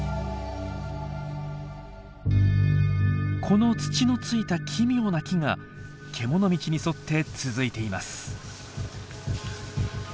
この土のついた奇妙な木がけもの道に沿って続いています。